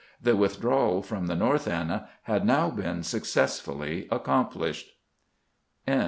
The withdrawal from the North Anna had now been successfully accomplished.